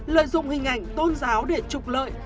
lợi dụng hình ảnh tôn giáo để trục lợi